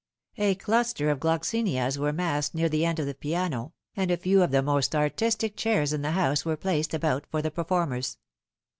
A cluster of gloxinias were massed near the end of the piano, and a few of the most artistic chairs in the house were placed about for the performers.